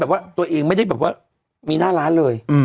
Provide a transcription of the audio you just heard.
ว่าตัวเองไม่ได้แบบว่ามีหน้าร้านเลย